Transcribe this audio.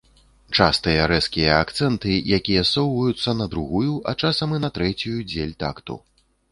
Частыя рэзкія акцэнты, якія ссоўваюцца на другую, а часам і на трэцюю дзель такту.